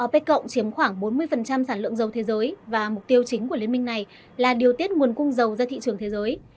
opec cộng chiếm khoảng bốn mươi sản lượng dầu thế giới và mục tiêu chính của liên minh này là điều tiết nguồn cung dầu ra thị trường thế giới